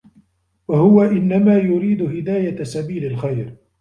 وَهُوَ إنَّمَا يُرِيدُ هِدَايَةَ سَبِيلِ الْخَيْرِ